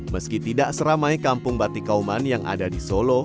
meski tidak seramai kampung batik kauman yang ada di solo